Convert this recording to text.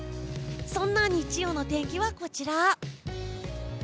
そんな日曜の天気はこちら。